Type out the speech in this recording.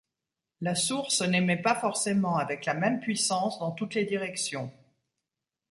La source n'émet pas forcément avec la même puissance dans toutes les directions.